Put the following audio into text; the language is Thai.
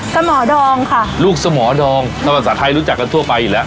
สมอดองค่ะลูกสมอดองก็ภาษาไทยรู้จักกันทั่วไปอยู่แล้ว